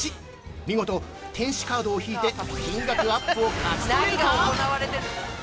見事天使カードを引いて、金額アップを勝ち取れるか。